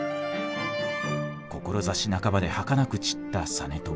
志半ばではかなく散った実朝。